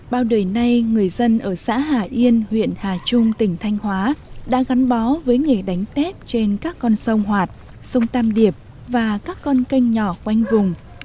bao đời nay người dân ở xã hà yên huyện hà trung tỉnh thanh hóa đã gắn bó với nghề đánh tép trên các con sông hoạt sông tam điệp và các con canh nhỏ quanh vùng